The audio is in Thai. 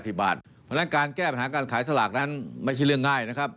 เพราะฉะนั้นการแก้ปัญหาการขายสลากนั้นไม่ใช่เรื่องง่ายนะครับ